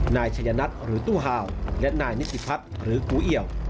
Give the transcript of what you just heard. นายชัยนัทหรือตู้ห่าวและนายนิติพัฒน์หรือกูเอี่ยว